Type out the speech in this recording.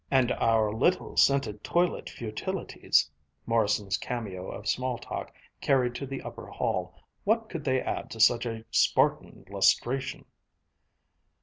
"And our little scented toilet futilities," Morrison's cameo of small talk carried to the upper hall. "What could they add to such a Spartan lustration?"